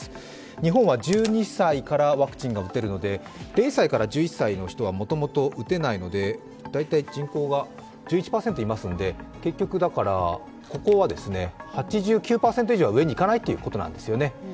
日本は１２歳からワクチンが打てるので、０歳から１１歳の人はもともと打てないので人口は１１％いますので結局、ここは８９％以上は上にいかないということなんですよね。